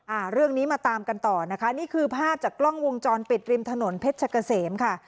อ่าเรื่องนี้มาตามกันต่อนะคะนี่คือภาพจากกล้องวงจรปิดริมถนนเพชรกะเสมค่ะ